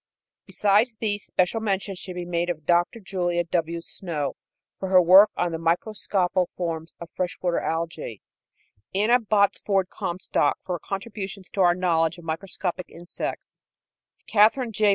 Besides these, special mention should also be made of Dr. Julia W. Snow for her work on the microscopical forms of fresh water algæ; Anna Botsford Comstock for her contributions to our knowledge of microscopic insects; Katherine J.